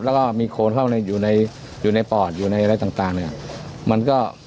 แล้วก็มีโคนเข้าอยู่ในอยู่ในปอดอยู่ในอะไรต่างเนี่ยมันก็